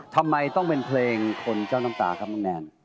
ทำไมต้องเป็นเพลงคนเจ้าน้ำตาครับน้องแนน